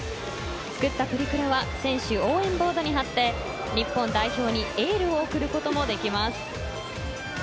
作ったプリクラは選手応援ボードに貼って日本代表にエールを送ることもできます。